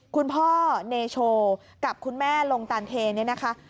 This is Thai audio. คุณพ่อเนโชกับคุณแม่ลงตานเทเนี่ยนะคะ